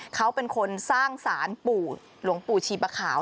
เขาเป็นคนสร้างสารปู่หลวงปู่ชีปะขาว